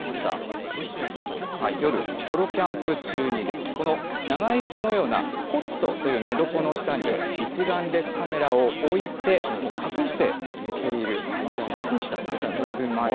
夜、ソロキャンプ中にこの長いすのようなコットという寝床の下に、一眼レフカメラを置いて、隠して隠したのね、ちゃんとね。